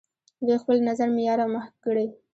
دوی خپل نظر معیار او محک ګڼي.